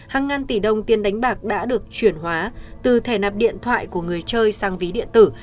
hàng ngàn tỷ đồng tiền đánh bạc đã được chuyển hóa từ thẻ nạp điện thoại của người chơi sang ví điện tử